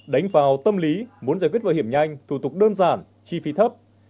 đánh vào tâm lý muốn giải quyết bảo hiểm nhanh thủ tục đơn giản chi phí thấp